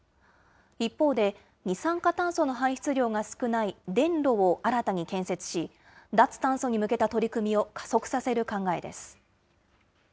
一方で、二酸化炭素の排出量が少ない電炉を新たに建設し、脱炭素に向けた取り組みを加速させる考えです。